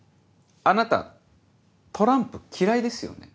あなたトランプ嫌いですよね？